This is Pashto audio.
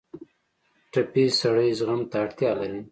ټپي سړی زغم ته اړتیا لري.